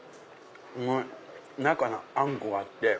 中にあんこがあって。